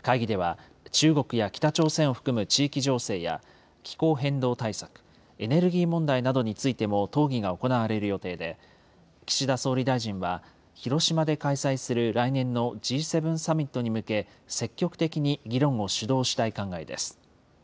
会議では、中国や北朝鮮を含む地域情勢や、気候変動対策、エネルギー問題などについても討議が行われる予定で、岸田総理大臣は広島で開催する来年のＧ７サミットに向け、積極的に議論を主導したい考えです。